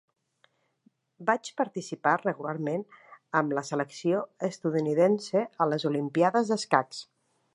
Va participar regularment amb la selecció estatunidenca a les Olimpíades d'escacs.